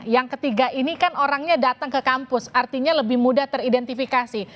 yang ketiga ini kan orangnya datang ke kampus artinya lebih mudah teridentifikasi